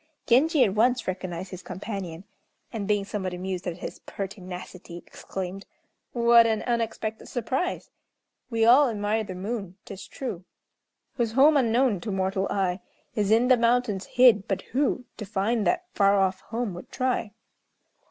Genji at once recognized his companion; and, being somewhat amused at his pertinacity, exclaimed: "What an unexpected surprise! We all admire the moon, 'tis true, Whose home unknown to mortal eye Is in the mountains hid, but who To find that far off home, would try?"